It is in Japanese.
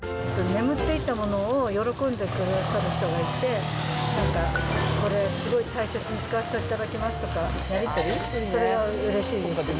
眠っていたものを喜んでくださる方がいて、なんかこれ、すごい大切に使わせていただきますとか、やり取り、それがうれしいです。